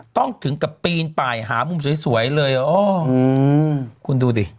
ถึงกับปีนไปหามุมสวยเลยอ๋อคุณดูดิ